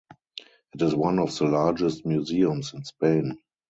It is one of the largest museums in Spain.